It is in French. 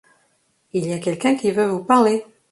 Il y a quelqu’un qui veut vous parler.